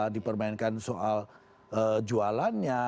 dipermainkan soal jualannya